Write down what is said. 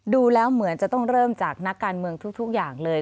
ดูแล้วเหมือนจะต้องเริ่มจากนักการเมืองทุกอย่างเลย